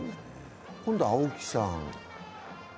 今度は青木さん。